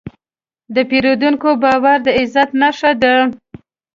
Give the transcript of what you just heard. د پیرودونکي باور د عزت نښه ده.